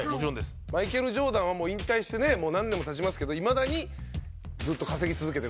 マイケル・ジョーダンは引退してね何年も経ちますけどいまだにずっと稼ぎ続けてるという。